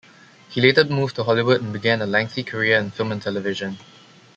He later moved to Hollywood and began a lengthy career in film and television.